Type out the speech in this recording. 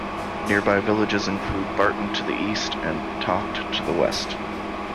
Nearby villages include Barton to the east and Toft to the west.